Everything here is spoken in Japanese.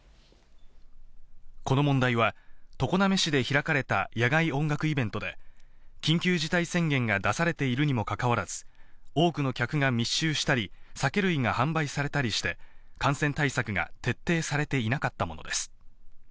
この問題は、常滑市で開かれた野外音楽イベントで、緊急事態宣言が出されているにもかかわらず、多くの客が密集したり、酒類が販売されたりして、感染対策が徹底されていなかったものです。